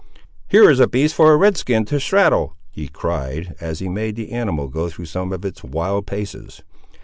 "Here is a beast for a Red skin to straddle!" he cried, as he made the animal go through some of its wild paces.